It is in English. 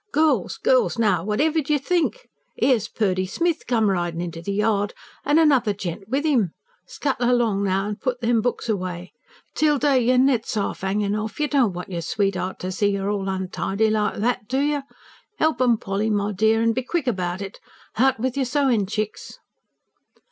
"Girls, girls, now whatever d'ye think? 'Ere's Purdy Smith come ridin' inter the yard, an' another gent with 'im. Scuttle along now, an' put them books away! Tilda, yer net's 'alf 'angin' off you don't want yer sweet 'eart to see you all untidy like that, do you? 'Elp 'em, Polly my dear, and be quick about it! H'out with yer sewin', chicks!"